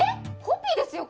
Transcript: コピーですよ